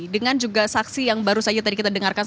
dengan juga saksi yang baru saja tadi kita dengarkan